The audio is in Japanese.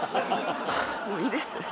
もういいです。